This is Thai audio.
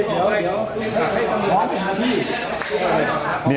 ออกไป